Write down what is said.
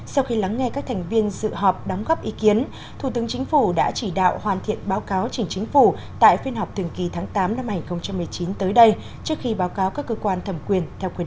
sau khi lắng nghe các thành viên dự họp đóng góp ý kiến thủ tướng chính phủ đã chỉ đạo hoàn thiện báo cáo trình chính phủ tại phiên họp thường kỳ tháng tám năm hai nghìn một mươi chín tới đây trước khi báo cáo các cơ quan thẩm quyền